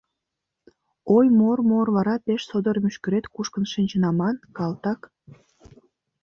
Ой, мор-мор, вара пеш содор мӱшкырет кушкын шинчын аман, калтак!